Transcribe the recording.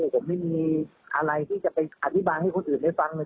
ผมไม่มีอะไรที่จะไปอธิบายให้คนอื่นได้ฟังเลย